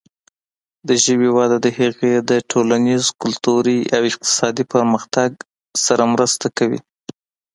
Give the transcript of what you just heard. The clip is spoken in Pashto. د ژبې وده د هغې د ټولنیز، کلتوري او اقتصادي پرمختګ سره مرسته کوي.